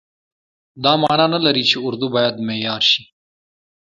دا معنا نه لري چې اردو باید معیار شي.